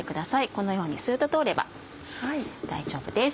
このようにスッと通れば大丈夫です。